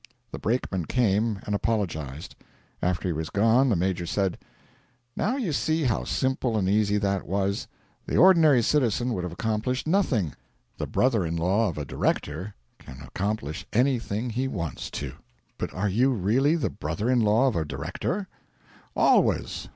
The brakeman came and apologised. After he was gone the Major said: 'Now you see how simple and easy that was. The ordinary citizen would have accomplished nothing the brother in law of a director can accomplish anything he wants to.' 'But are you really the brother in law of a director?' 'Always.